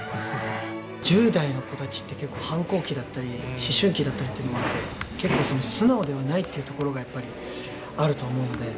１０代の子たちって結構、反抗期だったり、思春期だったりっていうのもあって、結構素直ではないというところがあると思うので。